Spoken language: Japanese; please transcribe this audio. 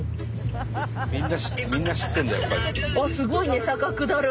すごいね坂くだる。